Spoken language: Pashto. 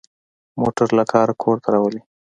موټر له کاره کور ته راولي.